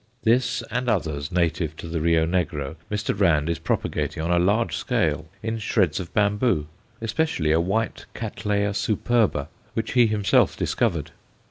This and others native to the Rio Negro Mr. Rand is propagating on a large scale in shreds of bamboo, especially a white Cattleya superba which he himself discovered.